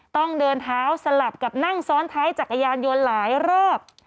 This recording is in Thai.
ต้องเดินเท้าสลับกับนั่งซ้อนท้ายจักรยานยนต์หลายรอบ